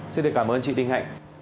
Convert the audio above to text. xin được cảm ơn chị đinh hạnh